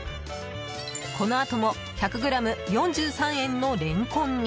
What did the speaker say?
このあとも１００ｇ４３円のレンコンに。